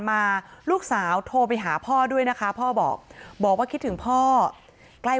มาลูกสาวโทรไปหาพ่อด้วยนะคะพ่อบอกบอกว่าคิดถึงพ่อใกล้